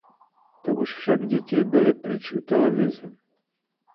To už však děti byly pryč u televize.